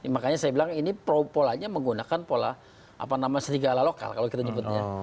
makanya saya bilang ini polanya menggunakan pola setiga ala lokal kalau kita sebutnya